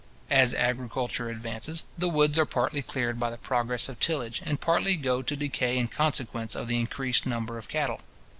As agriculture advances, the woods are partly cleared by the progress of tillage, and partly go to decay in consequence of the increased number of cattle.